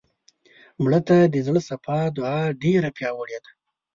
مړه ته د زړه صفا دعا ډېره پیاوړې ده